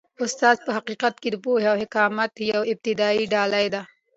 استاد په حقیقت کي د پوهې او حکمت یوه ابدي ډالۍ ده.